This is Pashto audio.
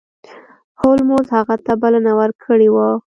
هولمز هغه ته بلنه ورکړې وه.